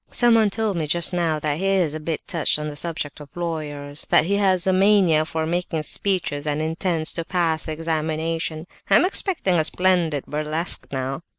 "Someone told me just now that he is a bit touched on the subject of lawyers, that he has a mania for making speeches and intends to pass the examinations. I am expecting a splendid burlesque now."